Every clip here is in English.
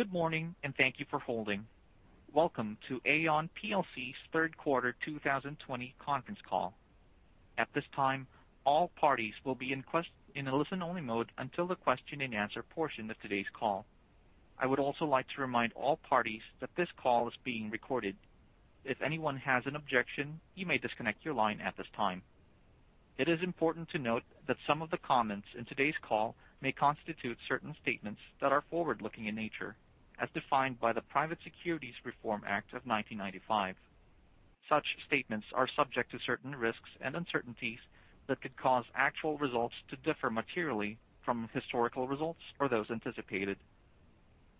Good morning, and thank you for holding. Welcome to Aon plc's third quarter 2020 conference call. At this time, all parties will be in a listen-only mode until the question and answer portion of today's call. I would also like to remind all parties that this call is being recorded. If anyone has an objection, you may disconnect your line at this time. It is important to note that some of the comments in today's call may constitute certain statements that are forward-looking in nature, as defined by the Private Securities Litigation Reform Act of 1995. Such statements are subject to certain risks and uncertainties that could cause actual results to differ materially from historical results or those anticipated.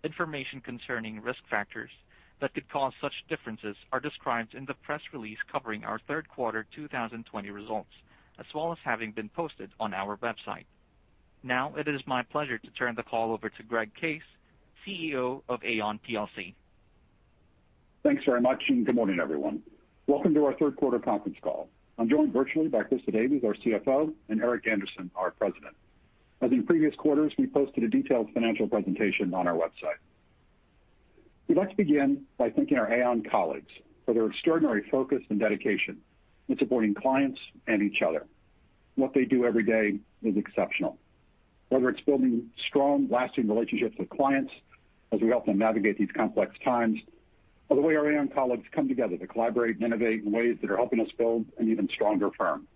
Information concerning risk factors that could cause such differences are described in the press release covering our third quarter 2020 results, as well as having been posted on our website. Now it is my pleasure to turn the call over to Greg Case, Chief Executive Officer of Aon plc. Thanks very much. Good morning, everyone. Welcome to our third quarter conference call. I'm joined virtually by Christa Davies, our Chief Financial Officer, and Eric Andersen, our President. As in previous quarters, we posted a detailed financial presentation on our website. We'd like to begin by thanking our Aon colleagues for their extraordinary focus and dedication in supporting clients and each other. What they do every day is exceptional. Whether it's building strong, lasting relationships with clients as we help them navigate these complex times, or the way our Aon colleagues come together to collaborate and innovate in ways that are helping us build an even stronger firm.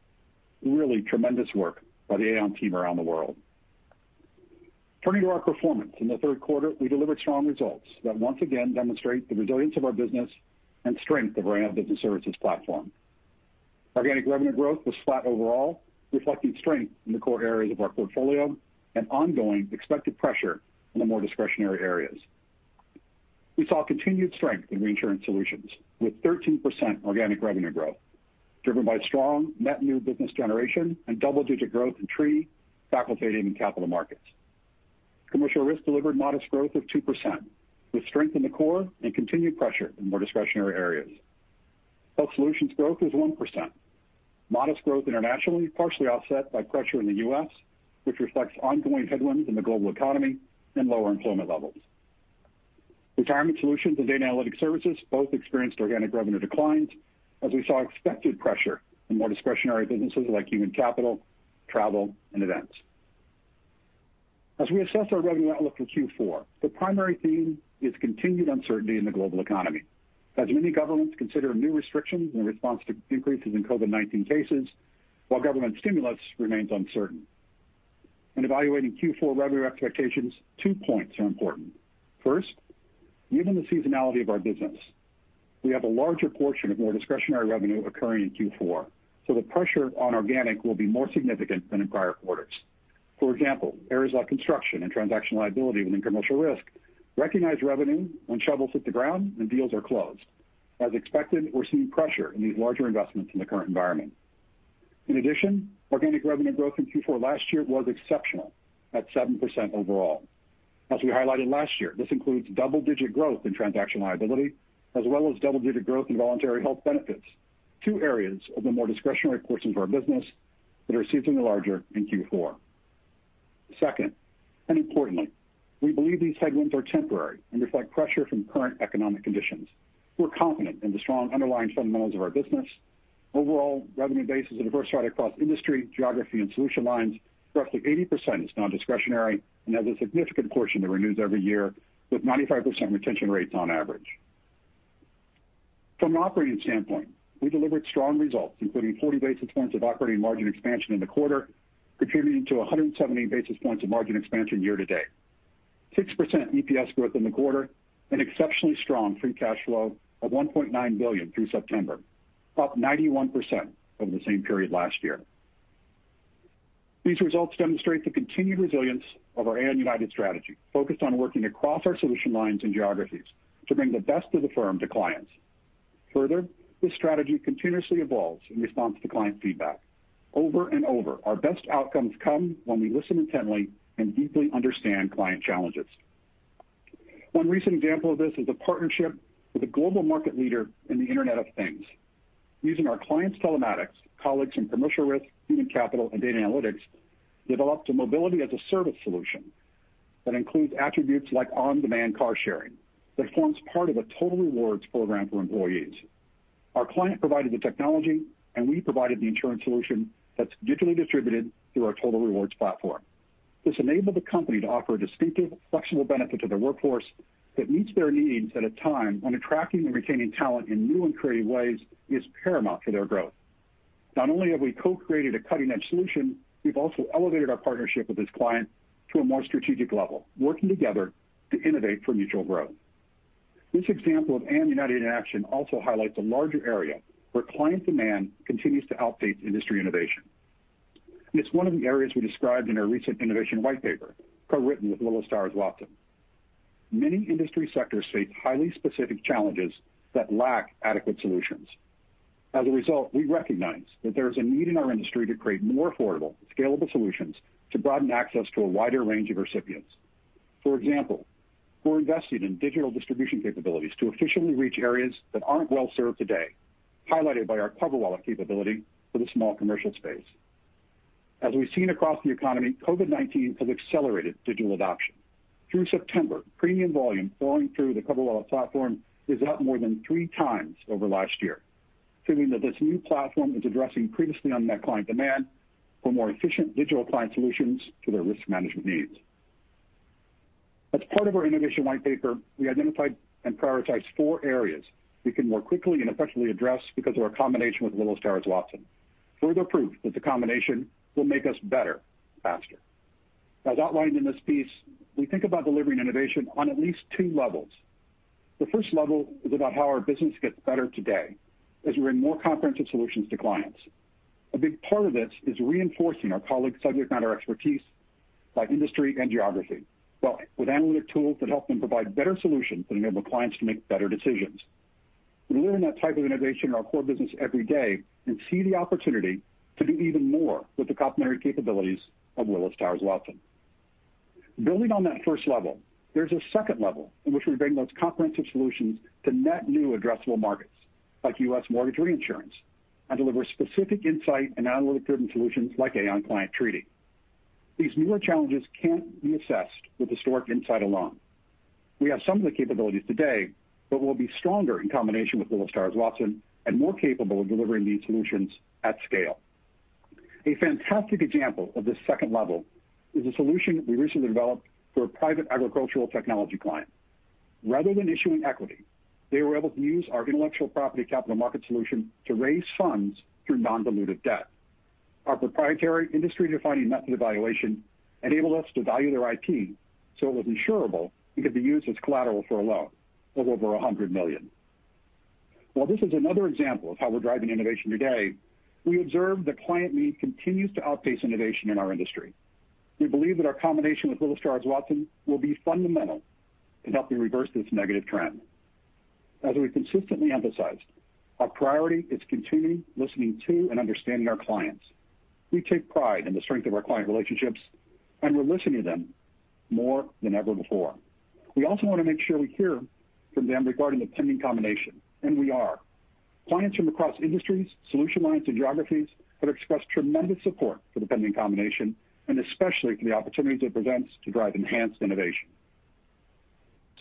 Really tremendous work by the Aon team around the world. Turning to our performance in the third quarter, we delivered strong results that once again demonstrate the resilience of our business and strength of our Aon Business Services platform. Organic revenue growth was flat overall, reflecting strength in the core areas of our portfolio and ongoing expected pressure in the more discretionary areas. We saw continued strength in Reinsurance Solutions with 13% organic revenue growth, driven by strong net new business generation and double-digit growth in treaty, facultative, and capital markets. Commercial Risk delivered modest growth of 2% with strength in the core and continued pressure in more discretionary areas. Health Solutions growth was 1%. Modest growth internationally, partially offset by pressure in the U.S., which reflects ongoing headwinds in the global economy and lower employment levels. Retirement Solutions and Data & Analytic Services both experienced organic revenue declines as we saw expected pressure in more discretionary businesses like human capital, travel, and events. As we assess our revenue outlook for Q4, the primary theme is continued uncertainty in the global economy, as many governments consider new restrictions in response to increases in COVID-19 cases while government stimulus remains uncertain. In evaluating Q4 revenue expectations, two points are important. First, given the seasonality of our business, we have a larger portion of more discretionary revenue occurring in Q4, so the pressure on organic will be more significant than in prior quarters. For example, areas like construction and transaction liability within Commercial Risk recognize revenue when shovels hit the ground and deals are closed. As expected, we're seeing pressure in these larger investments in the current environment. In addition, organic revenue growth in Q4 last year was exceptional at 7% overall. As we highlighted last year, this includes double-digit growth in transaction liability as well as double-digit growth in voluntary health benefits, two areas of the more discretionary portion of our business that are seasonally larger in Q4. Second, importantly, we believe these headwinds are temporary and reflect pressure from current economic conditions. We're confident in the strong underlying fundamentals of our business. Overall revenue base is diversified across industry, geography, and solution lines. Roughly 80% is nondiscretionary and has a significant portion that renews every year with 95% retention rates on average. From an operating standpoint, we delivered strong results, including 40 basis points of operating margin expansion in the quarter, contributing to 170 basis points of margin expansion year to date, 6% EPS growth in the quarter, and exceptionally strong free cash flow of $1.9 billion through September, up 91% over the same period last year. These results demonstrate the continued resilience of our Aon United strategy, focused on working across our solution lines and geographies to bring the best of the firm to clients. Further, this strategy continuously evolves in response to client feedback. Over and over, our best outcomes come when we listen intently and deeply understand client challenges. One recent example of this is a partnership with a global market leader in the Internet of Things. Using our client's telematics, colleagues in Commercial Risk, Human Capital, and Data Analytics developed a mobility-as-a-service solution that includes attributes like on-demand car sharing that forms part of a total rewards program for employees. Our client provided the technology, and we provided the insurance solution that's digitally distributed through our total rewards platform. This enabled the company to offer a distinctive, flexible benefit to their workforce that meets their needs at a time when attracting and retaining talent in new and creative ways is paramount to their growth. Not only have we co-created a cutting-edge solution, we've also elevated our partnership with this client to a more strategic level, working together to innovate for mutual growth. This example of Aon United in action also highlights a larger area where client demand continues to outpace industry innovation, and it's one of the areas we described in our recent innovation whitepaper co-written with Willis Towers Watson. Many industry sectors face highly specific challenges that lack adequate solutions. As a result, we recognize that there is a need in our industry to create more affordable, scalable solutions to broaden access to a wider range of recipients. For example, we're investing in digital distribution capabilities to efficiently reach areas that aren't well-served today, highlighted by our CoverWallet capability for the small commercial space. As we've seen across the economy, COVID-19 has accelerated digital adoption. Through September, premium volume flowing through the CoverWallet platform is up more than 3x over last year, assuming that this new platform is addressing previously unmet client demand for more efficient digital client solutions to their risk management needs. As part of our innovation white paper, we identified and prioritized four areas we can more quickly and effectively address because of our combination with Willis Towers Watson. Further proof that the combination will make us better, faster. As outlined in this piece, we think about delivering innovation on at least two levels. The first level is about how our business gets better today as we bring more comprehensive solutions to clients. A big part of this is reinforcing our colleagues' subject matter expertise by industry and geography, but with analytic tools that help them provide better solutions that enable clients to make better decisions. We learn that type of innovation in our core business every day and see the opportunity to do even more with the complementary capabilities of Willis Towers Watson. Building on that level 1, there's a level 2 in which we bring those comprehensive solutions to net new addressable markets like U.S. mortgage reinsurance, and deliver specific insight and analytic-driven solutions like Aon Client Treaty. These newer challenges can't be assessed with historic insight alone. We have some of the capabilities today, but we'll be stronger in combination with Willis Towers Watson and more capable of delivering these solutions at scale. A fantastic example of this second level is a solution we recently developed for a private agricultural technology client. Rather than issuing equity, they were able to use our intellectual property capital market solution to raise funds through non-diluted debt. Our proprietary industry-defining method of evaluation enabled us to value their IP, so it was insurable and could be used as collateral for a loan of over $100 million. This is another example of how we're driving innovation today, we observe that client need continues to outpace innovation in our industry. We believe that our combination with Willis Towers Watson will be fundamental in helping reverse this negative trend. As we consistently emphasized, our priority is continuing listening to and understanding our clients. We take pride in the strength of our client relationships, we're listening to them more than ever before. We also want to make sure we hear from them regarding the pending combination, and we are. Clients from across industries, solution lines, and geographies have expressed tremendous support for the pending combination, and especially for the opportunities it presents to drive enhanced innovation.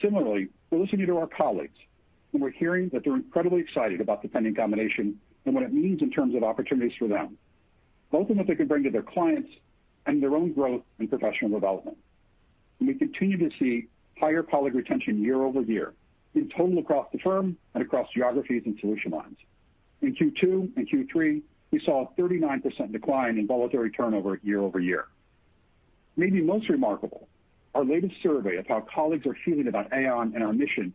Similarly, we're listening to our colleagues, and we're hearing that they're incredibly excited about the pending combination and what it means in terms of opportunities for them, both in what they can bring to their clients and their own growth and professional development. We continue to see higher colleague retention year-over-year in total across the firm and across geographies and solution lines. In Q2 and Q3, we saw a 39% decline in voluntary turnover year-over-year. Maybe most remarkable, our latest survey of how colleagues are feeling about Aon and our mission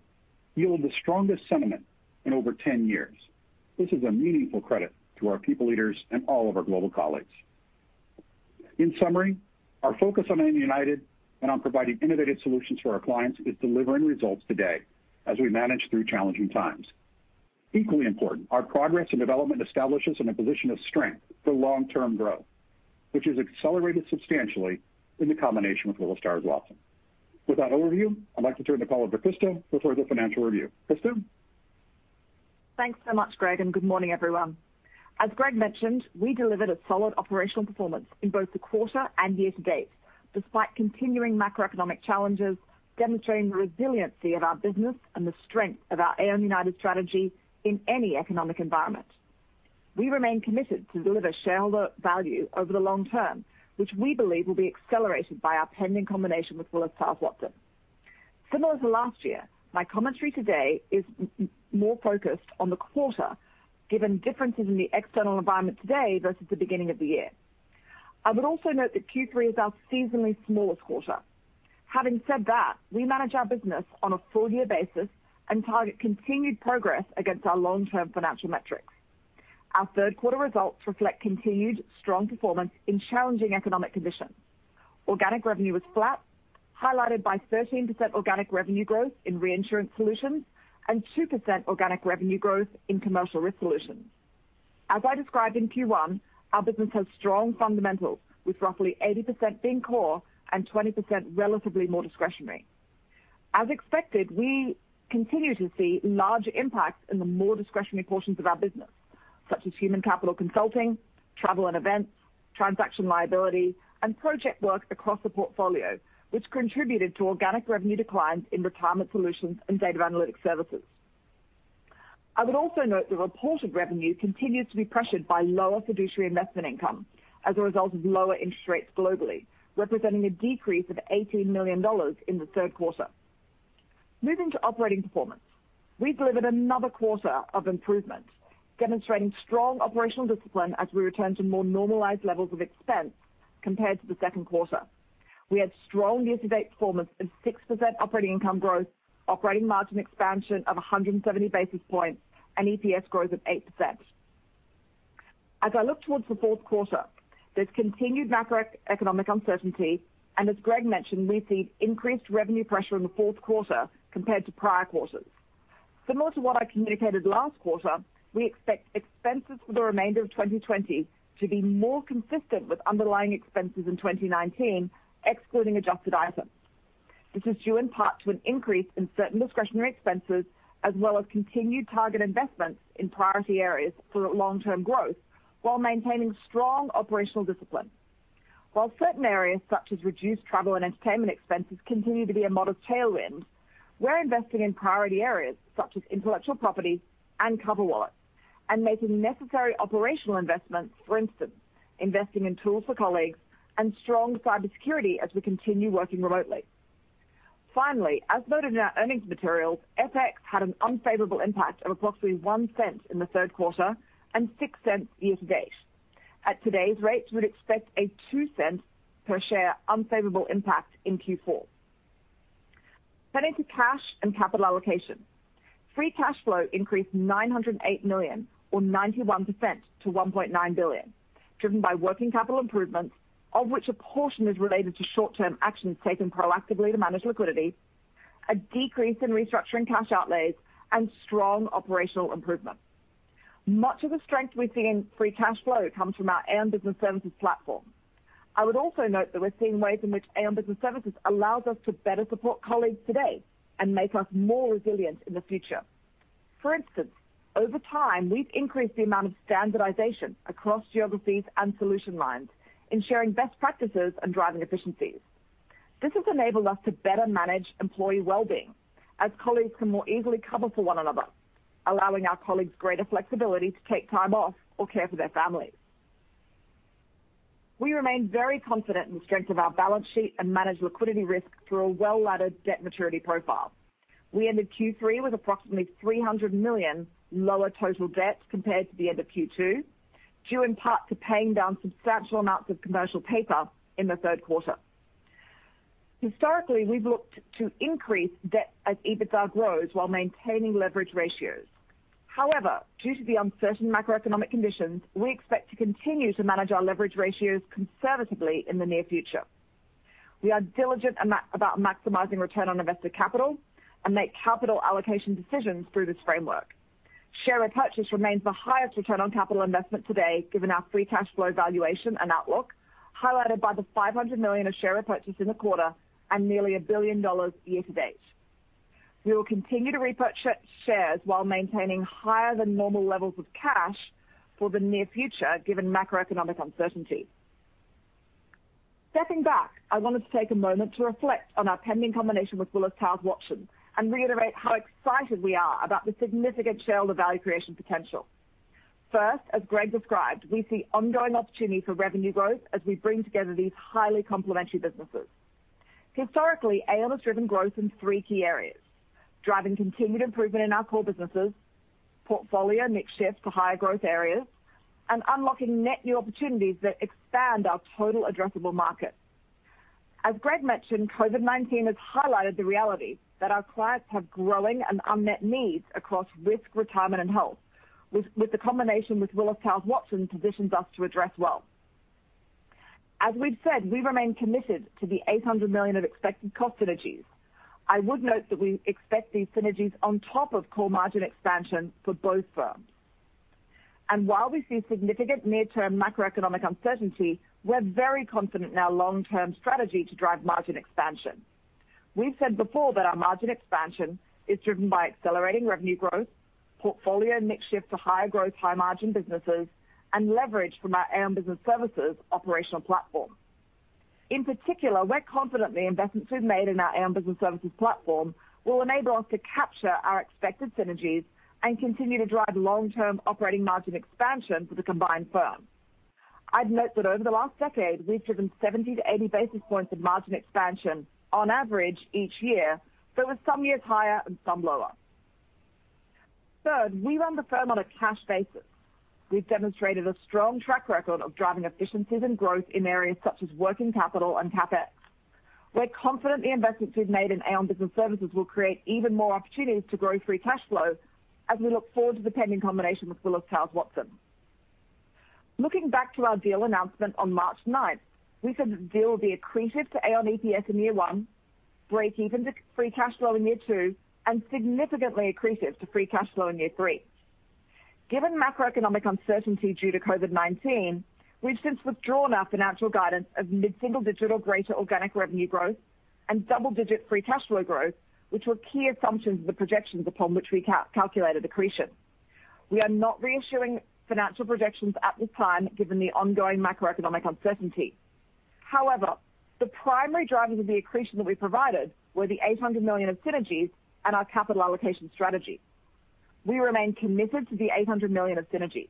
yielded the strongest sentiment in over 10 years. This is a meaningful credit to our people leaders and all of our global colleagues. In summary, our focus on Aon United and on providing innovative solutions to our clients is delivering results today as we manage through challenging times. Equally important, our progress and development establishes in a position of strength for long-term growth, which is accelerated substantially in the combination with Willis Towers Watson. With that overview, I'd like to turn to Christa Davies for the financial review. Christa? Thanks so much, Greg, and good morning, everyone. As Greg mentioned, we delivered a solid operational performance in both the quarter and year to date, despite continuing macroeconomic challenges, demonstrating the resiliency of our business and the strength of our Aon United strategy in any economic environment. We remain committed to deliver shareholder value over the long term, which we believe will be accelerated by our pending combination with Willis Towers Watson. Similar to last year, my commentary today is more focused on the quarter given differences in the external environment today versus the beginning of the year. I would also note that Q3 is our seasonally smallest quarter. Having said that, we manage our business on a full year basis and target continued progress against our long-term financial metrics. Our third quarter results reflect continued strong performance in challenging economic conditions. Organic revenue was flat, highlighted by 13% organic revenue growth in Reinsurance Solutions and 2% organic revenue growth in Commercial Risk Solutions. As I described in Q1, our business has strong fundamentals with roughly 80% being core and 20% relatively more discretionary. As expected, we continue to see larger impacts in the more discretionary portions of our business, such as human capital consulting, travel and events, transaction liability, and project work across the portfolio, which contributed to organic revenue declines in Retirement Solutions and Data & Analytic Services. I would also note the reported revenue continues to be pressured by lower fiduciary investment income as a result of lower interest rates globally, representing a decrease of $18 million in the third quarter. Moving to operating performance. We've delivered another quarter of improvement, demonstrating strong operational discipline as we return to more normalized levels of expense compared to the second quarter. We had strong year-to-date performance of 6% operating income growth, operating margin expansion of 170 basis points, and EPS growth of 8%. As I look towards the fourth quarter, there's continued macroeconomic uncertainty, and as Greg mentioned, we see increased revenue pressure in the fourth quarter compared to prior quarters. Similar to what I communicated last quarter, we expect expenses for the remainder of 2020 to be more consistent with underlying expenses in 2019, excluding adjusted items. This is due in part to an increase in certain discretionary expenses, as well as continued target investments in priority areas for long-term growth while maintaining strong operational discipline. While certain areas such as reduced travel and entertainment expenses continue to be a modest tailwind, we're investing in priority areas such as intellectual property and CoverWallet and making necessary operational investments, for instance, investing in tools for colleagues and strong cybersecurity as we continue working remotely. Finally, as noted in our earnings materials, FX had an unfavorable impact of approximately $0.01 in the third quarter and $0.06 year-to-date. At today's rates, we would expect a $0.02 per share unfavorable impact in Q4. Turning to cash and capital allocation. Free cash flow increased $908 million or 91% to $1.9 billion, driven by working capital improvements, of which a portion is related to short-term actions taken proactively to manage liquidity, a decrease in restructuring cash outlays, and strong operational improvement. Much of the strength we've seen free cash flow comes from our Aon Business Services platform. I would also note that we're seeing ways in which Aon Business Services allows us to better support colleagues today and make us more resilient in the future. For instance, over time, we've increased the amount of standardization across geographies and solution lines in sharing best practices and driving efficiencies. This has enabled us to better manage employee wellbeing as colleagues can more easily cover for one another, allowing our colleagues greater flexibility to take time off or care for their families. We remain very confident in the strength of our balance sheet and manage liquidity risk through a well-laddered debt maturity profile. We ended Q3 with approximately $300 million lower total debt compared to the end of Q2, due in part to paying down substantial amounts of commercial paper in the third quarter. Historically, we've looked to increase debt as EBITDA grows while maintaining leverage ratios. Due to the uncertain macroeconomic conditions, we expect to continue to manage our leverage ratios conservatively in the near future. We are diligent about maximizing return on invested capital and make capital allocation decisions through this framework. Share repurchase remains the highest return on capital investment today, given our free cash flow valuation and outlook, highlighted by the $500 million of share repurchase in the quarter and nearly $1 billion year to date. We will continue to repurchase shares while maintaining higher than normal levels of cash for the near future, given macroeconomic uncertainty. Stepping back, I wanted to take a moment to reflect on our pending combination with Willis Towers Watson, and reiterate how excited we are about the significant shareholder value creation potential. First, as Greg described, we see ongoing opportunity for revenue growth as we bring together these highly complementary businesses. Historically, Aon has driven growth in three key areas: driving continued improvement in our core businesses, portfolio mix shift to higher growth areas, and unlocking net new opportunities that expand our total addressable market. As Greg mentioned, COVID-19 has highlighted the reality that our clients have growing and unmet needs across risk, retirement, and health, which the combination with Willis Towers Watson positions us to address well. As we've said, we remain committed to the $800 million of expected cost synergies. I would note that we expect these synergies on top of core margin expansion for both firms. While we see significant mid-term macroeconomic uncertainty, we're very confident in our long-term strategy to drive margin expansion. We've said before that our margin expansion is driven by accelerating revenue growth, portfolio mix shift to higher growth, high margin businesses, and leverage from our Aon Business Services operational platform. In particular, we're confident the investments we've made in our Aon Business Services platform will enable us to capture our expected synergies and continue to drive long-term operating margin expansion for the combined firm. I'd note that over the last decade, we've driven 70 to 80 basis points of margin expansion on average each year, though with some years higher and some lower. Third, we run the firm on a cash basis. We've demonstrated a strong track record of driving efficiencies and growth in areas such as working capital and CapEx. We're confident the investments we've made in Aon Business Services will create even more opportunities to grow free cash flow as we look forward to the pending combination with Willis Towers Watson. Looking back to our deal announcement on March ninth, we said the deal will be accretive to Aon EPS in year one, break even to free cash flow in year two, and significantly accretive to free cash flow in year three. Given macroeconomic uncertainty due to COVID-19, we've since withdrawn our financial guidance of mid-single-digit organic revenue growth and double-digit free cash flow growth, which were key assumptions of the projections upon which we calculated accretion. We are not reissuing financial projections at this time, given the ongoing macroeconomic uncertainty. The primary drivers of the accretion that we provided were the $800 million of synergies and our capital allocation strategy. We remain committed to the $800 million of synergies.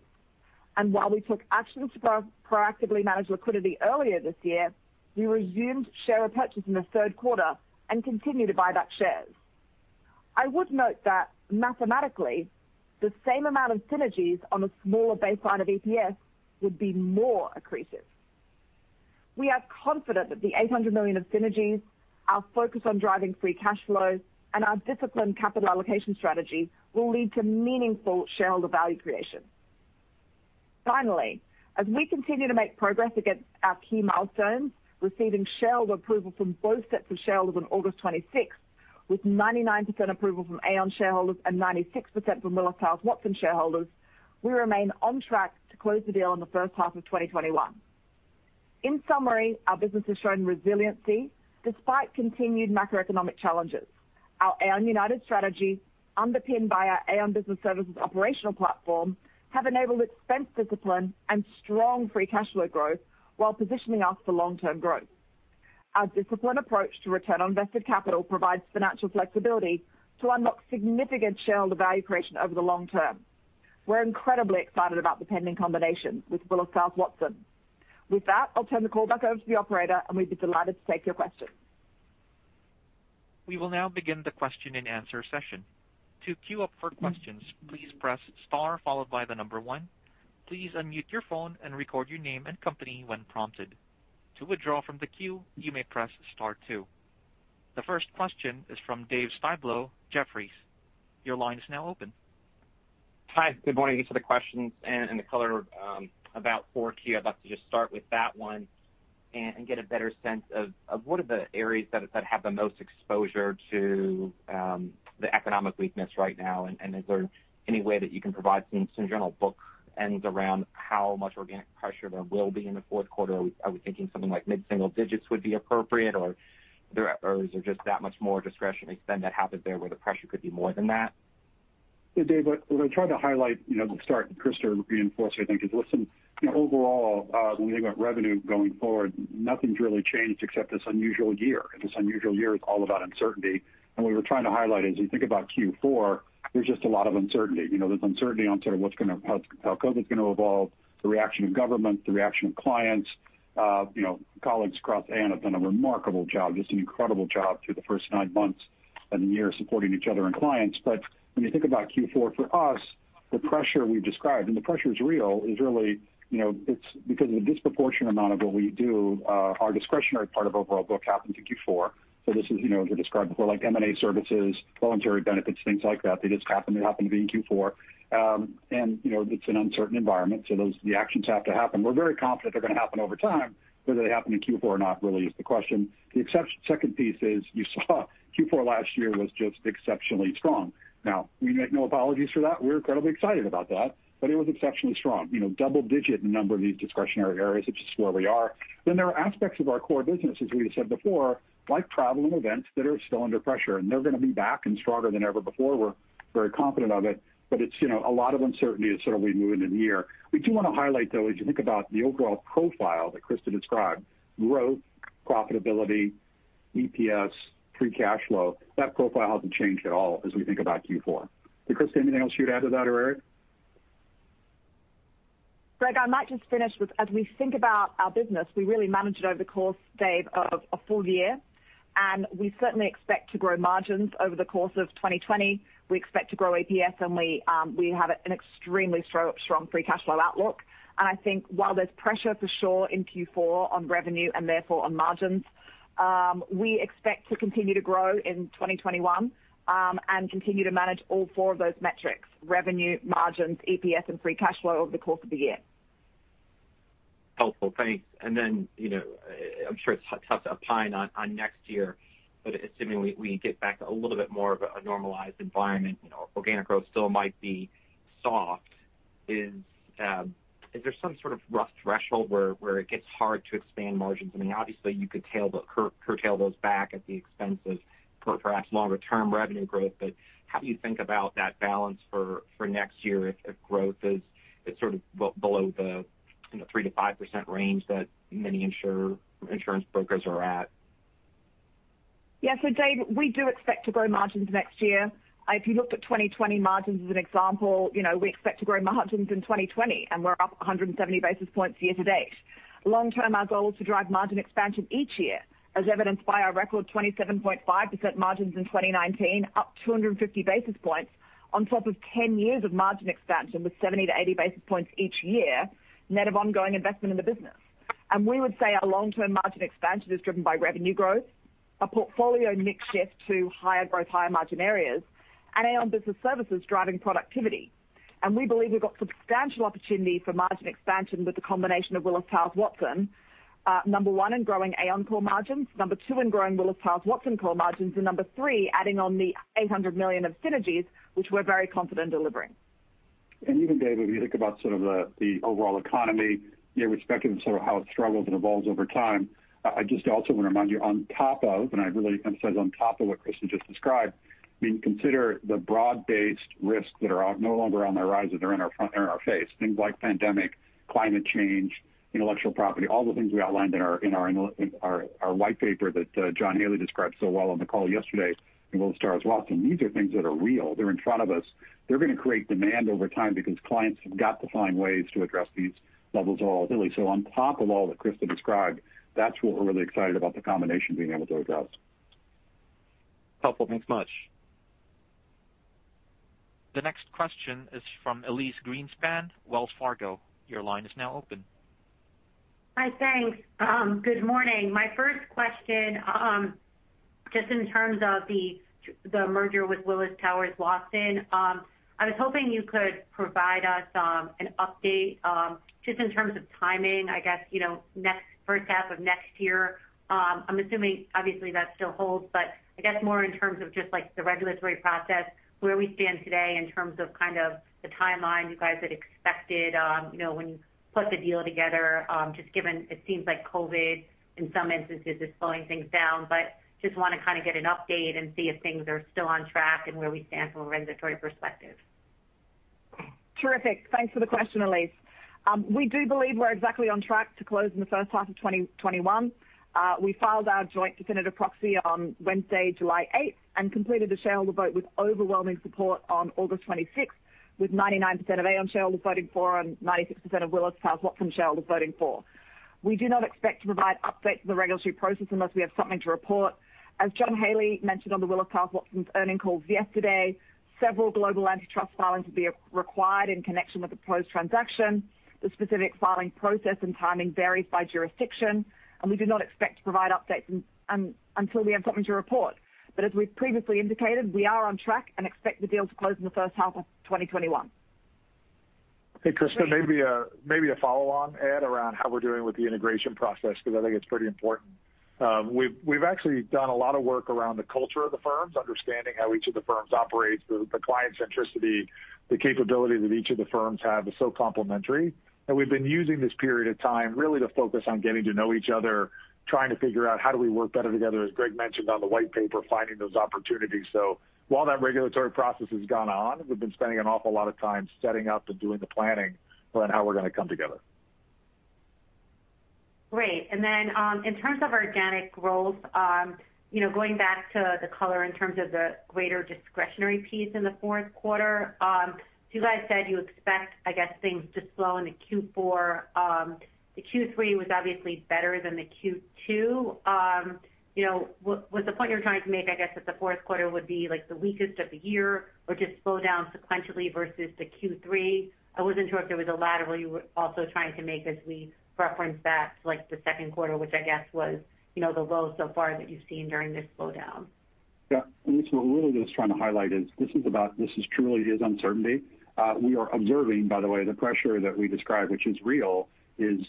While we took actions to proactively manage liquidity earlier this year, we resumed share repurchase in the third quarter and continue to buy back shares. I would note that mathematically, the same amount of synergies on a smaller baseline of EPS would be more accretive. We are confident that the $800 million of synergies, our focus on driving free cash flows, and our disciplined capital allocation strategy will lead to meaningful shareholder value creation. Finally, as we continue to make progress against our key milestones, receiving shareholder approval from both sets of shareholders on August 26th with 99% approval from Aon shareholders and 96% from Willis Towers Watson shareholders, we remain on track to close the deal in the first half of 2021. In summary, our business has shown resiliency despite continued macroeconomic challenges. Our Aon United strategy, underpinned by our Aon Business Services operational platform, have enabled expense discipline and strong free cash flow growth while positioning us for long-term growth. Our disciplined approach to return on invested capital provides financial flexibility to unlock significant shareholder value creation over the long term. We're incredibly excited about the pending combination with Willis Towers Watson. With that, I'll turn the call back over to the operator, and we'd be delighted to take your questions. We will now begin the question and answer session. To queue up for questions, please press star followed by the number one. Please unmute your phone and record your name and company when prompted. To withdraw from the queue, you may press star two. The first question is from Dave Styblo, Jefferies. Your line is now open. Hi. Good morning. Thanks for the questions and the color about 4Q. I'd like to just start with that one and get a better sense of what are the areas that have the most exposure to the economic weakness right now, and is there any way that you can provide some general book ends around how much organic pressure there will be in the fourth quarter? Are we thinking something like mid-single digits would be appropriate, or is there just that much more discretionary spend that happens there where the pressure could be more than that? Yeah, Dave, what I tried to highlight, to start, and Christa will reinforce, I think, is listen, overall, when we think about revenue going forward, nothing's really changed except this unusual year. This unusual year is all about uncertainty. What we were trying to highlight, as we think about Q4, there's just a lot of uncertainty. There's uncertainty on sort of how COVID's going to evolve, the reaction of government, the reaction of clients. Colleagues across Aon have done a remarkable job, just an incredible job through the first nine months and the year supporting each other and clients. When you think about Q4 for us, the pressure we've described, and the pressure is real, is really it's because of the disproportionate amount of what we do, our discretionary part of overall book happened to Q4. This is, as we described before, like M&A services, voluntary benefits, things like that. They just happen to be in Q4. It's an uncertain environment, the actions have to happen. We're very confident they're going to happen over time, whether they happen in Q4 or not really is the question. The second piece is you saw Q4 last year was just exceptionally strong. We make no apologies for that. We're incredibly excited about that. It was exceptionally strong. Double-digit in a number of these discretionary areas, which is where we are. There are aspects of our core business, as we said before, like travel and events, that are still under pressure. They're going to be back and stronger than ever before. We're very confident of it's a lot of uncertainty as sort of we move into the year. We do want to highlight, though, as you think about the overall profile that Christa described, growth, profitability, EPS, free cash flow, that profile hasn't changed at all as we think about Q4. Christa, anything else you'd add to that, or Eric? Greg, I might just finish with, as we think about our business, we really manage it over the course, Dave, of a full year. We certainly expect to grow margins over the course of 2020. We expect to grow EPS. We have an extremely strong free cash flow outlook. I think while there's pressure for sure in Q4 on revenue and therefore on margins, we expect to continue to grow in 2021, and continue to manage all four of those metrics, revenue, margins, EPS, and free cash flow over the course of the year. Helpful. Thanks. I'm sure it's tough to opine on next year, but assuming we get back a little bit more of a normalized environment, organic growth still might be soft. Is there some sort of rough threshold where it gets hard to expand margins? I mean, obviously you could curtail those back at the expense of perhaps longer-term revenue growth. But how do you think about that balance for next year if growth is sort of below the 3%-5% range that many insurance brokers are at? Dave, we do expect to grow margins next year. If you looked at 2020 margins as an example, we expect to grow margins in 2020, and we're up 170 basis points year-to-date. Long-term, our goal is to drive margin expansion each year, as evidenced by our record 27.5% margins in 2019, up 250 basis points on top of 10 years of margin expansion with 70 basis points-80 basis points each year, net of ongoing investment in the business. We would say our long-term margin expansion is driven by revenue growth, a portfolio mix shift to higher growth, higher margin areas, and Aon Business Services driving productivity. We believe we've got substantial opportunity for margin expansion with the combination of Willis Towers Watson. Number one, in growing Aon core margins. Number two, in growing Willis Towers Watson core margins, and number three, adding on the $800 million of synergies, which we're very confident delivering. Even, Dave, when you think about sort of the overall economy, irrespective of sort of how it struggles and evolves over time, I just also want to remind you on top of, and I really emphasize on top of what Christa just described, when you consider the broad-based risks that are no longer on the rise, that they're in our face. Things like pandemic, climate change, intellectual property, all the things we outlined in our white paper that John Haley described so well on the call yesterday in Willis Towers Watson. These are things that are real. They're in front of us. They're going to create demand over time because clients have got to find ways to address these levels of volatility. On top of all that Christa described, that's what we're really excited about the combination being able to address. Helpful. Thanks much. The next question is from Elyse Greenspan, Wells Fargo. Your line is now open. Hi, thanks. Good morning. My first question, just in terms of the merger with Willis Towers Watson, I was hoping you could provide us an update just in terms of timing, I guess, first half of next year. I'm assuming obviously that still holds, I guess more in terms of just the regulatory process, where we stand today in terms of the timeline you guys had expected when you put the deal together, just given it seems like COVID, in some instances, is slowing things down. Just want to get an update and see if things are still on track and where we stand from a regulatory perspective. Terrific. Thanks for the question, Elyse. We do believe we're exactly on track to close in the first half of 2021. We filed our joint definitive proxy on Wednesday, July 8th, and completed the shareholder vote with overwhelming support on August 26th, with 99% of Aon shareholders voting for and 96% of Willis Towers Watson shareholders voting for. We do not expect to provide updates on the regulatory process unless we have something to report. As John Haley mentioned on the Willis Towers Watson's earnings calls yesterday, several global antitrust filings will be required in connection with the proposed transaction. The specific filing process and timing varies by jurisdiction. We do not expect to provide updates until we have something to report. As we've previously indicated, we are on track and expect the deal to close in the first half of 2021. Hey, Christa, maybe a follow on add around how we're doing with the integration process, because I think it's pretty important. We've actually done a lot of work around the culture of the firms, understanding how each of the firms operates, the client centricity, the capabilities that each of the firms have is so complementary. We've been using this period of time really to focus on getting to know each other, trying to figure out how do we work better together, as Greg mentioned on the white paper, finding those opportunities. While that regulatory process has gone on, we've been spending an awful lot of time setting up and doing the planning around how we're going to come together. Great. In terms of organic growth, going back to the color in terms of the greater discretionary piece in the fourth quarter, you guys said you expect, I guess, things to slow in the Q4. The Q3 was obviously better than the Q2. Was the point you're trying to make, I guess, that the fourth quarter would be the weakest of the year or just slow down sequentially versus the Q3? I wasn't sure if there was a lateral you were also trying to make as we reference back to the second quarter, which I guess was the low so far that you've seen during this slowdown. What we're really just trying to highlight is this truly is uncertainty. We are observing, by the way, the pressure that we describe, which is real, is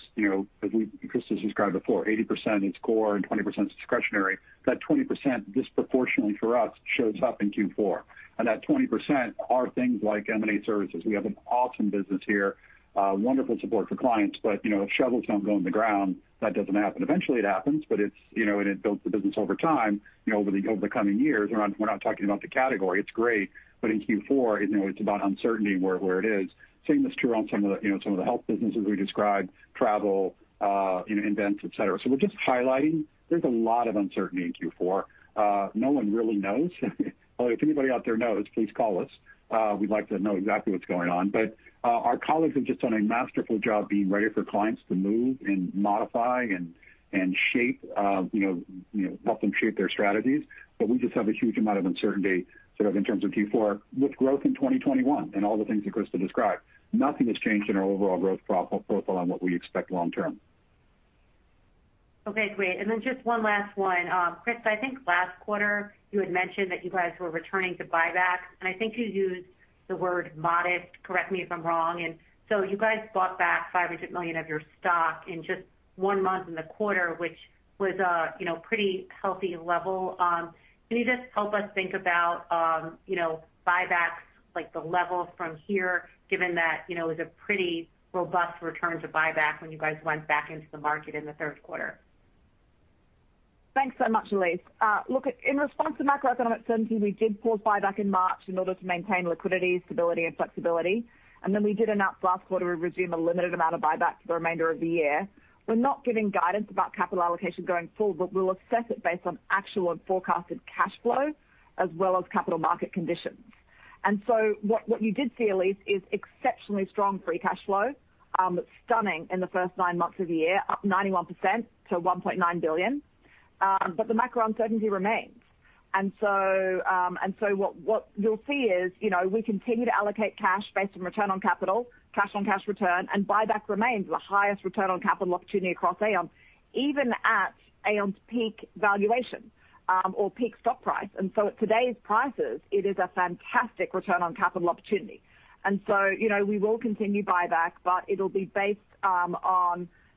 as Christa described before, 80% is core and 20% is discretionary. That 20% disproportionately for us shows up in Q4. That 20% are things like M&A services. We have an awesome business here, wonderful support for clients, but if shovels don't go in the ground, that doesn't happen. Eventually it happens, and it builds the business over time, over the coming years. We're not talking about the category. It's great. In Q4, it's about uncertainty where it is. Same is true on some of the health businesses we described, travel, events, et cetera. We're just highlighting there's a lot of uncertainty in Q4. No one really knows. If anybody out there knows, please call us. We'd like to know exactly what's going on. Our colleagues have just done a masterful job being ready for clients to move and modify and help them shape their strategies. We just have a huge amount of uncertainty sort of in terms of Q4 with growth in 2021 and all the things that Christa described. Nothing has changed in our overall growth profile on what we expect long term. Okay, great. Just one last one. Christa, I think last quarter you had mentioned that you guys were returning to buybacks, and I think you used the word modest. Correct me if I'm wrong. You guys bought back $500 million of your stock in just one month in the quarter, which was a pretty healthy level. Can you just help us think about buybacks, like the level from here, given that it was a pretty robust return to buyback when you guys went back into the market in the third quarter? Thanks so much, Elyse. Look, in response to macroeconomic uncertainty, we did pause buyback in March in order to maintain liquidity, stability and flexibility. Then we did announce last quarter we resume a limited amount of buyback for the remainder of the year. We're not giving guidance about capital allocation going forward, but we'll assess it based on actual and forecasted cash flow as well as capital market conditions. So what you did see, Elyse, is exceptionally strong free cash flow. Stunning in the first nine months of the year, up 91% to $1.9 billion. The macro uncertainty remains. So, what you'll see is we continue to allocate cash based on return on capital, cash on cash return, and buyback remains the highest return on capital opportunity across Aon, even at Aon's peak valuation or peak stock price. At today's prices, it is a fantastic return on capital opportunity. We will continue buyback, but it'll be based on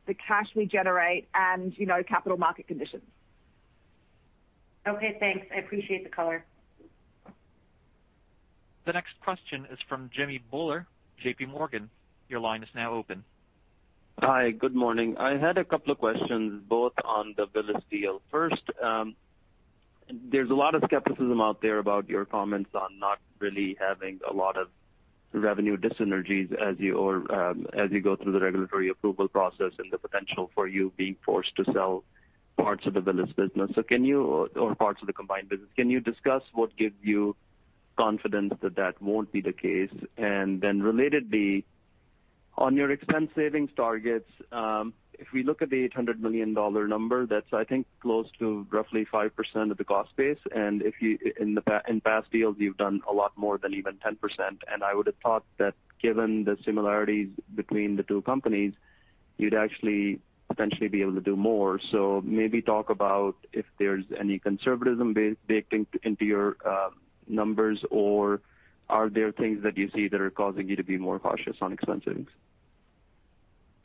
the cash we generate and capital market conditions. Okay, thanks. I appreciate the color. The next question is from Jimmy Bhullar, JPMorgan. Your line is now open. Hi. Good morning. I had a couple of questions, both on the Willis deal. There's a lot of skepticism out there about your comments on not really having a lot of revenue dyssynergies as you go through the regulatory approval process and the potential for you being forced to sell parts of the Willis business or parts of the combined business. Can you discuss what gives you confidence that that won't be the case? Relatedly, on your expense savings targets, if we look at the $800 million number, that's, I think, close to roughly 5% of the cost base. In past deals, you've done a lot more than even 10%. I would have thought that given the similarities between the two companies. You'd actually potentially be able to do more. Maybe talk about if there's any conservatism baked into your numbers, or are there things that you see that are causing you to be more cautious on expenses?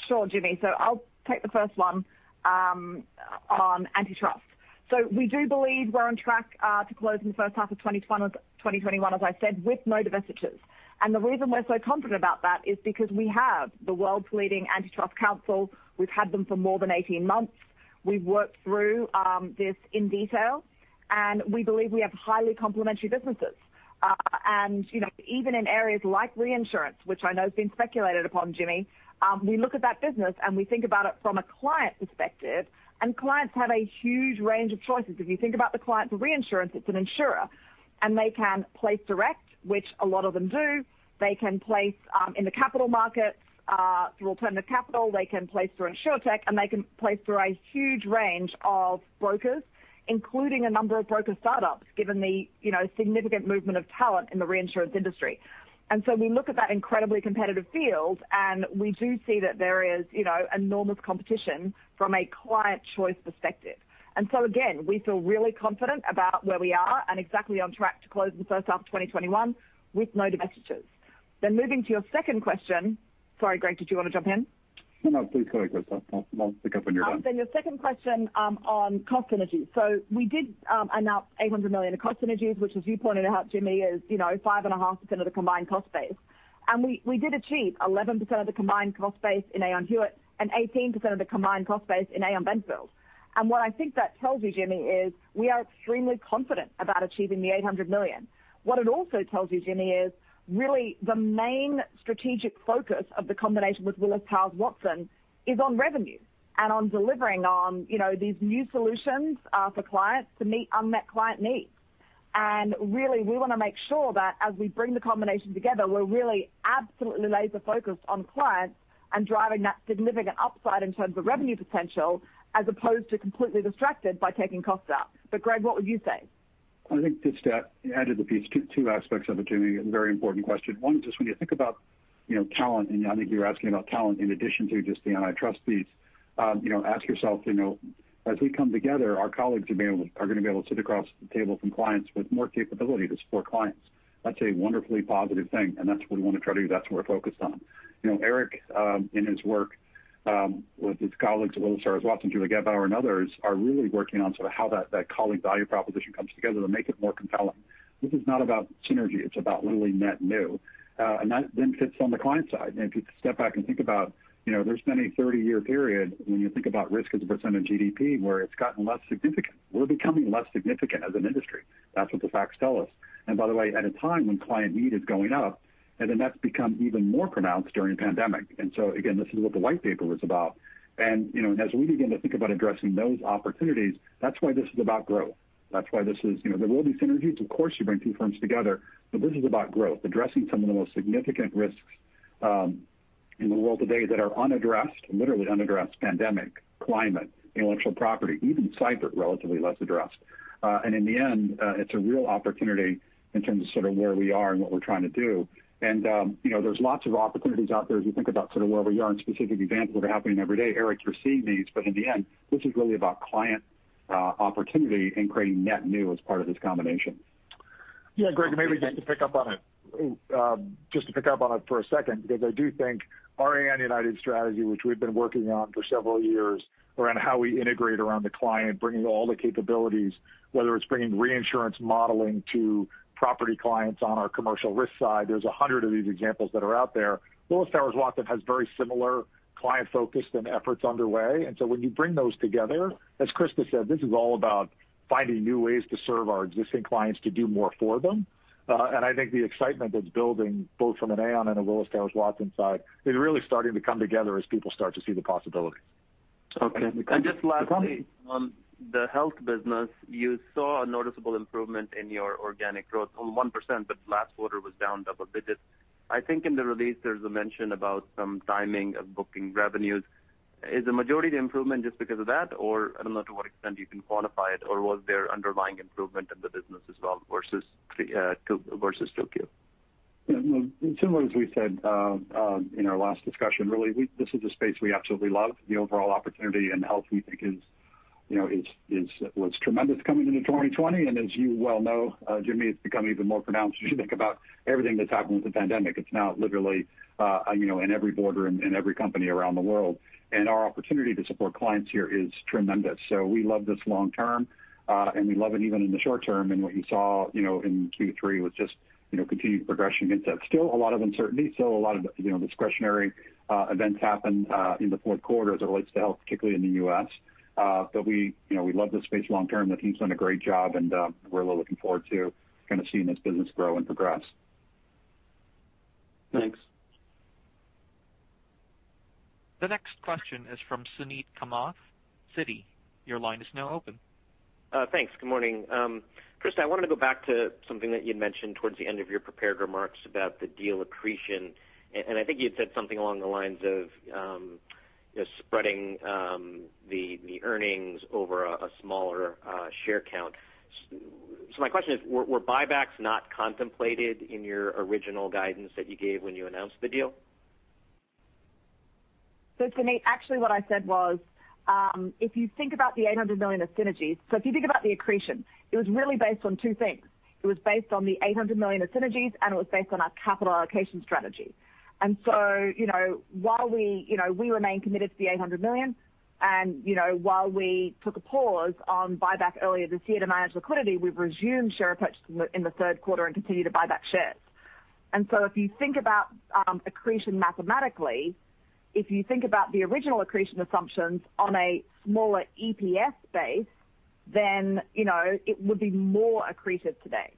Sure, Jimmy. I'll take the first one on antitrust. We do believe we're on track to close in the first half of 2021, as I said, with no divestitures. The reason we're so confident about that is because we have the world's leading antitrust counsel. We've had them for more than 18 months. We've worked through this in detail, and we believe we have highly complementary businesses. Even in areas like reinsurance, which I know has been speculated upon, Jimmy, we look at that business and we think about it from a client perspective, and clients have a huge range of choices. If you think about the client for reinsurance, it's an insurer, and they can place direct, which a lot of them do. They can place in the capital markets through alternative capital, they can place through insurtech, and they can place through a huge range of brokers, including a number of broker startups, given the significant movement of talent in the reinsurance industry. We look at that incredibly competitive field, and we do see that there is enormous competition from a client choice perspective. Again, we feel really confident about where we are and exactly on track to close in the first half of 2021 with no divestitures. Moving to your second question. Sorry, Greg, did you want to jump in? No, please go ahead, Christa. I'll pick up when you're done. Your second question on cost synergies. We did announce $800 million of cost synergies, which as you pointed out, Jimmy, is 5.5% of the combined cost base. We did achieve 11% of the combined cost base in Aon Hewitt and 18% of the combined cost base in Aon Benfield. What I think that tells you, Jimmy, is we are extremely confident about achieving the $800 million. What it also tells you, Jimmy, is really the main strategic focus of the combination with Willis Towers Watson is on revenue and on delivering on these new solutions for clients to meet unmet client needs. Really, we want to make sure that as we bring the combination together, we're really absolutely laser focused on clients and driving that significant upside in terms of revenue potential, as opposed to completely distracted by taking costs out. Greg, what would you say? I think just to add to the piece, two aspects of it, Jimmy, a very important question. One is just when you think about talent, and I think you're asking about talent in addition to just the antitrust piece. Ask yourself as we come together, our colleagues are going to be able to sit across the table from clients with more capability to support clients. That's a wonderfully positive thing, and that's what we want to try to do. That's what we're focused on. Eric, in his work with his colleagues at Willis Towers Watson, Julie Gebauer and others, are really working on how that colleague value proposition comes together to make it more compelling. This is not about synergy. It's about literally net new. That then fits on the client side. If you step back and think about there's been a 30-year period when you think about risk as a percent of GDP, where it's gotten less significant. We're becoming less significant as an industry. That's what the facts tell us. By the way, at a time when client need is going up, then that's become even more pronounced during the pandemic. Again, this is what the white paper was about. As we begin to think about addressing those opportunities, that's why this is about growth. There will be synergies. Of course, you bring two firms together, but this is about growth, addressing some of the most significant risks in the world today that are unaddressed, literally unaddressed, pandemic, climate, intellectual property, even cyber, relatively less addressed. In the end, it's a real opportunity in terms of sort of where we are and what we're trying to do. There's lots of opportunities out there as you think about sort of where we are and specific events that are happening every day. Eric Andersen, you're seeing these, but in the end, this is really about client opportunity and creating net new as part of this combination. Greg, maybe just to pick up on it for a second, because I do think our Aon United strategy, which we've been working on for several years around how we integrate around the client, bringing all the capabilities, whether it's bringing reinsurance modeling to property clients on our Commercial Risk side. There's 100 of these examples that are out there. Willis Towers Watson has very similar client focus and efforts underway, when you bring those together, as Christa said, this is all about finding new ways to serve our existing clients to do more for them. I think the excitement that's building both from an Aon and a Willis Towers Watson side is really starting to come together as people start to see the possibilities. Okay. Just lastly on the health business, you saw a noticeable improvement in your organic growth from 1%, but last quarter was down double digits. I think in the release there's a mention about some timing of booking revenues. Is the majority of the improvement just because of that? I don't know to what extent you can quantify it, or was there underlying improvement in the business as well versus Tokyo? Similar as we said in our last discussion, really, this is a space we absolutely love. The overall opportunity in health we think was tremendous coming into 2020. As you well know, Jimmy, it's become even more pronounced as you think about everything that's happened with the pandemic. It's now literally in every border and every company around the world. Our opportunity to support clients here is tremendous. We love this long term, and we love it even in the short term. What you saw in Q3 was just continued progression against that. Still a lot of uncertainty. Still a lot of discretionary events happen in the fourth quarter as it relates to health, particularly in the U.S. We love this space long term. The team's done a great job, and we're really looking forward to kind of seeing this business grow and progress. Thanks. The next question is from Suneet Kamath, Citi. Your line is now open. Thanks. Good morning. Christa, I wanted to go back to something that you'd mentioned towards the end of your prepared remarks about the deal accretion, and I think you'd said something along the lines of spreading the earnings over a smaller share count. My question is, were buybacks not contemplated in your original guidance that you gave when you announced the deal? Suneet, actually what I said was, if you think about the $800 million of synergies, so if you think about the accretion, it was really based on two things. It was based on the $800 million of synergies, and it was based on our capital allocation strategy. We remain committed to the $800 million, and while we took a pause on buyback earlier this year to manage liquidity, we've resumed share purchase in the third quarter and continue to buy back shares. If you think about accretion mathematically, if you think about the original accretion assumptions on a smaller EPS base, then it would be more accretive today.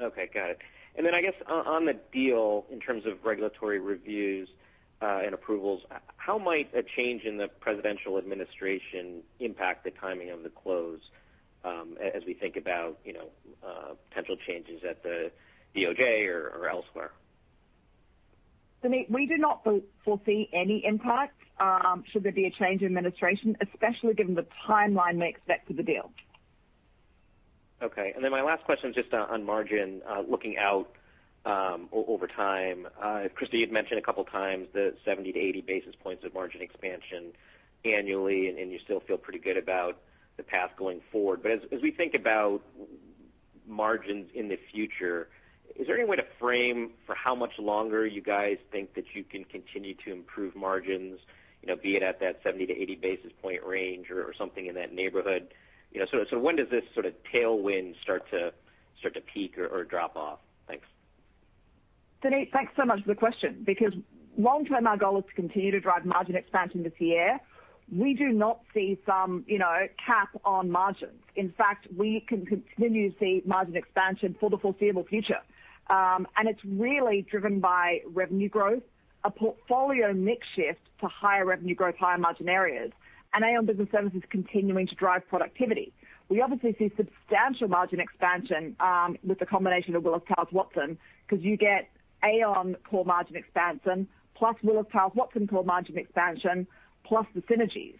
Okay. Got it. Then I guess on the deal in terms of regulatory reviews and approvals, how might a change in the presidential administration impact the timing of the close as we think about potential changes at the DOJ or elsewhere? Suneet, we do not foresee any impact should there be a change in administration, especially given the timeline we expect for the deal. My last question is just on margin, looking out over time. Christa, you'd mentioned a couple of times the 70 basis points-80 basis points of margin expansion annually, and you still feel pretty good about the path going forward. As we think about margins in the future, is there any way to frame for how much longer you guys think that you can continue to improve margins, be it at that 70 basis points-80 basis point range or something in that neighborhood? When does this sort of tailwind start to peak or drop off? Thanks. Suneet, thanks so much for the question. Long-term, our goal is to continue to drive margin expansion this year. We do not see some cap on margins. In fact, we can continue to see margin expansion for the foreseeable future. It's really driven by revenue growth, a portfolio mix shift to higher revenue growth, higher margin areas, and Aon Business Services continuing to drive productivity. We obviously see substantial margin expansion with the combination of Willis Towers Watson because you get Aon core margin expansion plus Willis Towers Watson core margin expansion, plus the synergies.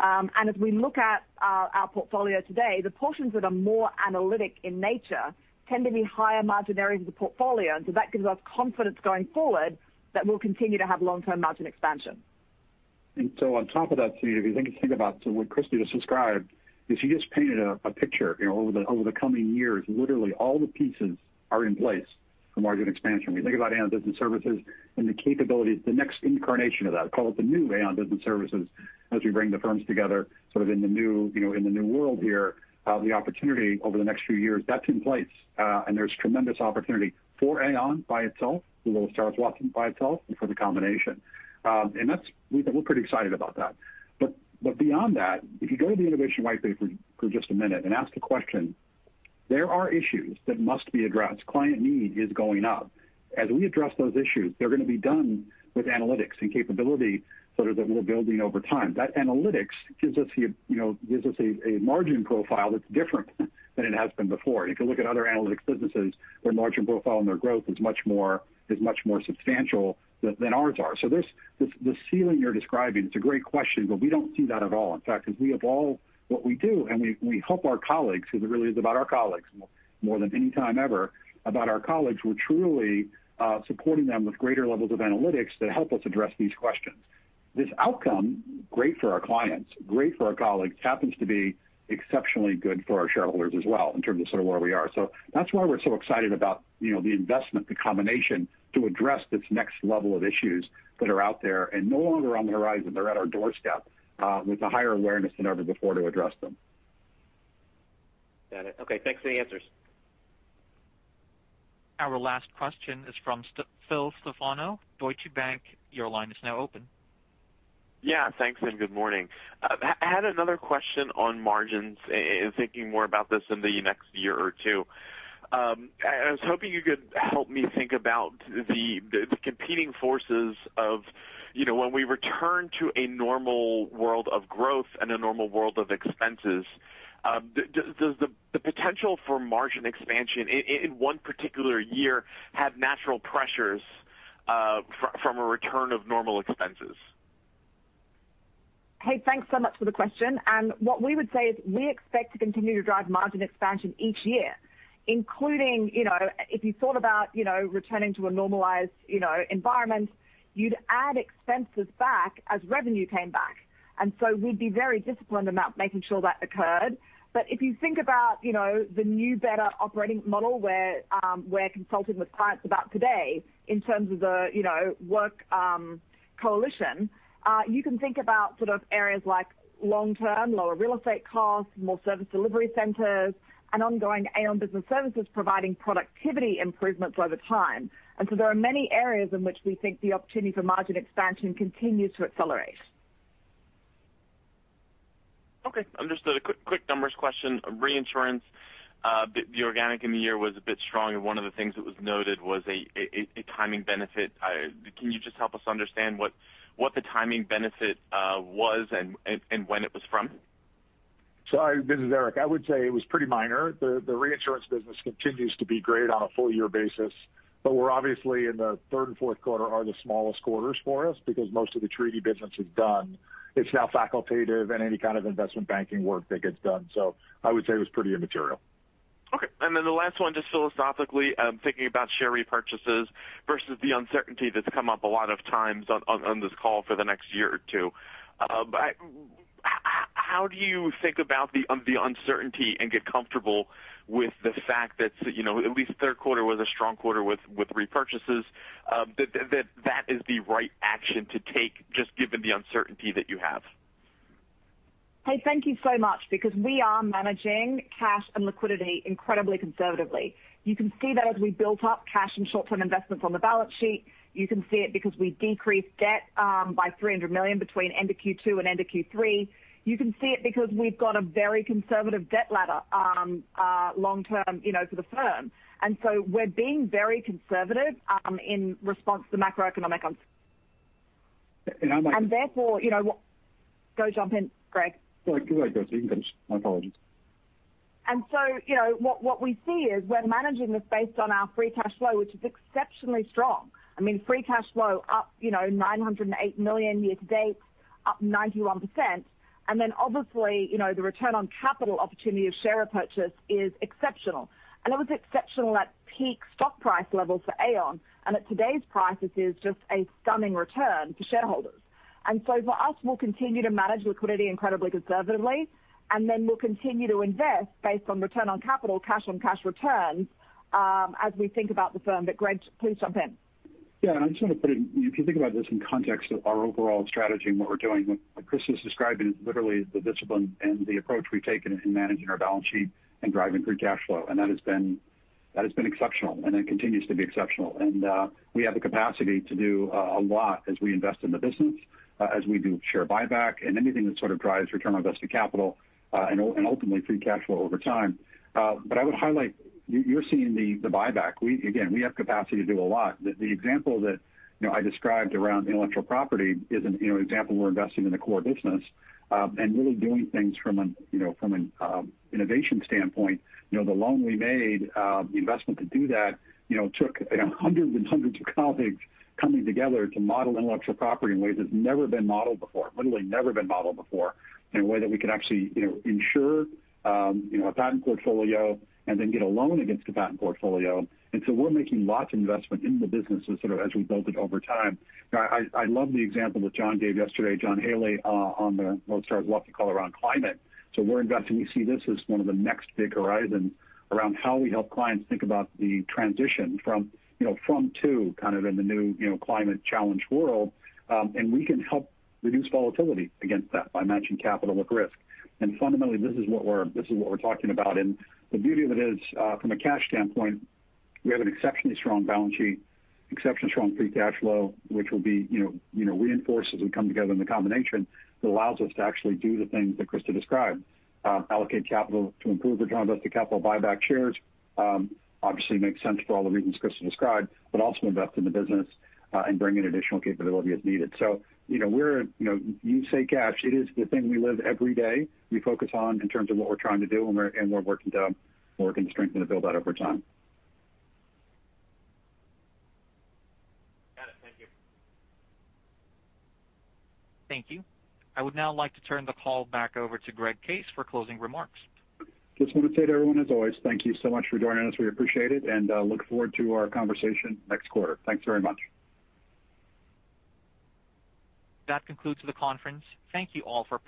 As we look at our portfolio today, the portions that are more analytic in nature tend to be higher margin areas of the portfolio. That gives us confidence going forward that we'll continue to have long-term margin expansion. On top of that, Suneet, if you think about what Christa just described, she just painted a picture over the coming years, literally all the pieces are in place for margin expansion. You think about Aon Business Services and the capabilities, the next incarnation of that, call it the new Aon Business Services, as we bring the firms together sort of in the new world here, the opportunity over the next few years, that's in place. There's tremendous opportunity for Aon by itself, for Willis Towers Watson by itself, and for the combination. We're pretty excited about that. Beyond that, if you go to the innovation whitepaper for just a minute and ask the question, there are issues that must be addressed. Client need is going up. As we address those issues, they're going to be done with analytics and capability, so that we're building over time. That analytics gives us a margin profile that's different than it has been before. You can look at other analytics businesses where margin profile and their growth is much more substantial than ours are. This ceiling you're describing, it's a great question, but we don't see that at all. In fact, as we evolve what we do and we help our colleagues, because it really is about our colleagues more than any time ever, we're truly supporting them with greater levels of analytics that help us address these questions. This outcome, great for our clients, great for our colleagues, happens to be exceptionally good for our shareholders as well in terms of sort of where we are. That's why we're so excited about the investment, the combination to address this next level of issues that are out there and no longer on the horizon. They're at our doorstep with a higher awareness than ever before to address them. Got it. Okay, thanks for the answers. Our last question is from Phil Stefano, Deutsche Bank. Your line is now open. Yeah, thanks. Good morning. I had another question on margins and thinking more about this in the next year or two. I was hoping you could help me think about the competing forces of when we return to a normal world of growth and a normal world of expenses. Does the potential for margin expansion in one particular year have natural pressures from a return of normal expenses? Hey, thanks so much for the question. What we would say is we expect to continue to drive margin expansion each year, including if you thought about returning to a normalized environment, you'd add expenses back as revenue came back. We'd be very disciplined about making sure that occurred. If you think about the new, better operating model where we're consulting with clients about today in terms of the workforce evolution, you can think about sort of areas like long-term lower real estate costs, more service delivery centers, and ongoing Aon Business Services providing productivity improvements over time. There are many areas in which we think the opportunity for margin expansion continues to accelerate. Okay, understood. A quick numbers question. Reinsurance, the organic in the year was a bit strong, and one of the things that was noted was a timing benefit. Can you just help us understand what the timing benefit was and when it was from? This is Eric. I would say it was pretty minor. The reinsurance business continues to be great on a full year basis, we're obviously in the third and fourth quarter are the smallest quarters for us because most of the treaty business is done. It's now facultative and any kind of investment banking work that gets done. I would say it was pretty immaterial. Okay. The last one, just philosophically, thinking about share repurchases versus the uncertainty that's come up a lot of times on this call for the next year or two. How do you think about the uncertainty and get comfortable with the fact that at least the third quarter was a strong quarter with repurchases, that that is the right action to take just given the uncertainty that you have? Hey, thank you so much. Because we are managing cash and liquidity incredibly conservatively. You can see that as we built up cash and short-term investments on the balance sheet. You can see it because we decreased debt by $300 million between end of Q2 and end of Q3. You can see it because we've got a very conservative debt ladder long-term for the firm. We're being very conservative in response to macroeconomic uncertainty. Therefore, Go jump in, Greg. Go ahead, Christa. You can finish. My apologies. What we see is we're managing this based on our free cash flow, which is exceptionally strong. Free cash flow up $908 million year to date, up 91%. Obviously, the return on capital opportunity of share repurchase is exceptional. It was exceptional at peak stock price levels for Aon, and at today's prices is just a stunning return for shareholders. For us, we'll continue to manage liquidity incredibly conservatively, then we'll continue to invest based on return on capital, cash on cash returns as we think about the firm. Greg, please jump in. Yeah. I just want to put in, you can think about this in context of our overall strategy and what we're doing. What Christa is describing is literally the discipline and the approach we've taken in managing our balance sheet and driving free cash flow. That has been exceptional and it continues to be exceptional. We have the capacity to do a lot as we invest in the business, as we do share buyback, anything that sort of drives return on invested capital, and ultimately free cash flow over time. I would highlight, you're seeing the buyback. Again, we have capacity to do a lot. The example that I described around intellectual property is an example we're investing in the core business, really doing things from an innovation standpoint. The loan we made, the investment to do that took hundreds and hundreds of colleagues coming together to model intellectual property in ways that's never been modeled before, literally never been modeled before, in a way that we could actually insure a patent portfolio and then get a loan against a patent portfolio. We're making lots of investment in the business as sort of as we build it over time. I love the example that John gave yesterday, John Haley, on the North Star what they call around climate. We're investing, we see this as one of the next big horizons around how we help clients think about the transition from, to, kind of in the new climate challenge world. We can help reduce volatility against that by matching capital with risk. Fundamentally, this is what we're talking about. The beauty of it is, from a cash standpoint, we have an exceptionally strong balance sheet, exceptionally strong free cash flow, which will be reinforced as we come together in the combination that allows us to actually do the things that Christa described. Allocate capital to improve return on invested capital, buy back shares. Obviously makes sense for all the reasons Christa described, but also invest in the business, and bring in additional capability as needed. You say cash, it is the thing we live every day, we focus on in terms of what we're trying to do and we're working to strengthen and build out over time. Got it. Thank you. Thank you. I would now like to turn the call back over to Greg Case for closing remarks. Just want to say to everyone, as always, thank you so much for joining us. We appreciate it, and look forward to our conversation next quarter. Thanks very much. That concludes the conference. Thank you all for participating.